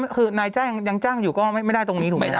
คือนายจ้างยังจ้างอยู่ก็ไม่ได้ตรงนี้ถูกไหมนะ